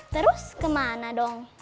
terus kemana dong